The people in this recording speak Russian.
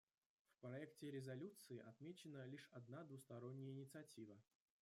В проекте резолюции отмечена лишь одна двусторонняя инициатива.